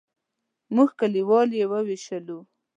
موږ کلیوال یې وویشلو.